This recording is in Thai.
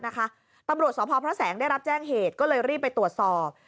ตำรวจสพพระแสงได้รับแจ้งเหตุก็เลยรีบไปตรวจสอบ